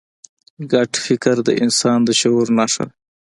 ګډ فکر د انسان د شعور نښه ده.